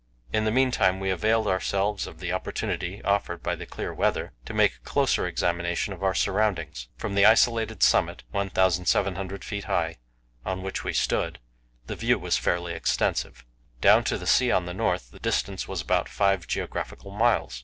In the meantime we availed ourselves of the opportunity offered by the clear weather to make a closer examination of our surroundings. From the isolated summit, 1,700 feet high, on which we stood, the view was fairly extensive. Down to the sea on the north the distance was about five geographical miles.